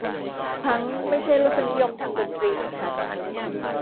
พั้งค์ไม่ใช่รสนิยมทางดนตรีของฉัน